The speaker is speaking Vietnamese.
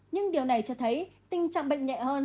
nhưng điều này cho thấy tình trạng bệnh nhẹ hơn